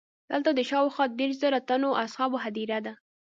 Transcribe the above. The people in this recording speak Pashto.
دلته د شاوخوا دېرش زره تنو اصحابو هدیره ده.